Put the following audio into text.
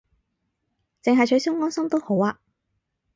淨係取消安心都好吖